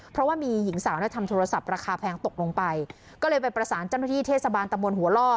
เพราะว่ามีหญิงสาวเนี่ยทำโทรศัพท์ราคาแพงตกลงไปก็เลยไปประสานเจ้าหน้าที่เทศบาลตะมนต์หัวล่อ